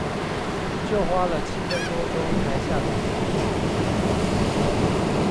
就花了七分多鐘才下載完成